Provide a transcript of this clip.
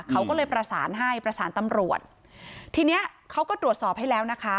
เขาก็เลยประสานให้ประสานตำรวจทีเนี้ยเขาก็ตรวจสอบให้แล้วนะคะ